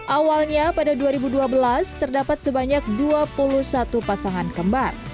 awalnya pada dua ribu dua belas terdapat sebanyak dua puluh satu pasangan kembar